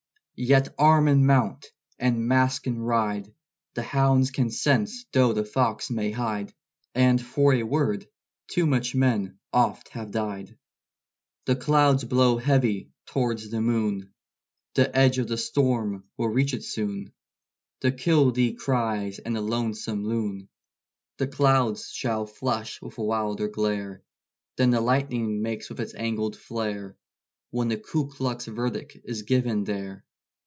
Yet arm and mount! and mask and ride! The hounds can sense though the fox may hide! And for a word too much men oft have died. The clouds blow heavy towards the moon. The edge of the storm will reach it soon. The killdee cries and the lonesome loon. The clouds shall flush with a wilder glare Than the lightning makes with its angled flare, When the Ku Klux verdict is given there.